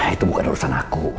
itu bukan urusan aku